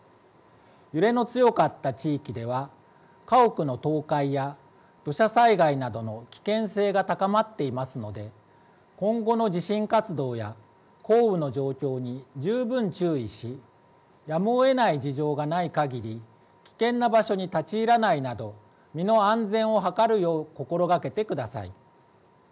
揺れの強かった地域では家屋の倒壊や土砂災害などの危険性が高まっていますので今後の地震活動や降雨の状況に十分注意しやむをえない事情がないかぎり危険な場所に立ち入らないなど身の安全を図るよう心がけてください。